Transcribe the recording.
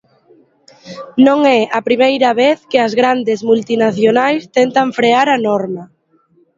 Non é a primeira vez que as grandes multinacionais tentan frear a norma.